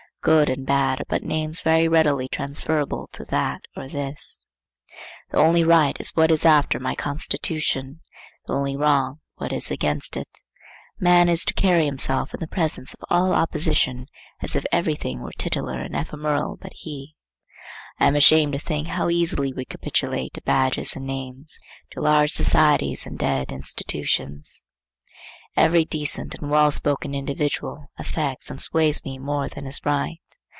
Good and bad are but names very readily transferable to that or this; the only right is what is after my constitution; the only wrong what is against it. A man is to carry himself in the presence of all opposition as if every thing were titular and ephemeral but he. I am ashamed to think how easily we capitulate to badges and names, to large societies and dead institutions. Every decent and well spoken individual affects and sways me more than is right.